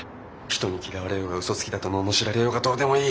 人に嫌われようが嘘つきだとののしられようがどうでもいい！